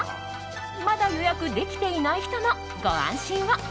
まだ予約できていない人もご安心を。